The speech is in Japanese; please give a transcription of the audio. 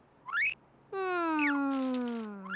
うん。